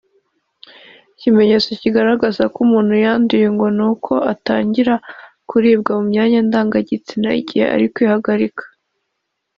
Ikimenyetso kigaragaza ko umuntu yanduye ngo ni uko atangira kuribwa mu myanya ndangagitsina igihe agiye kwihagarika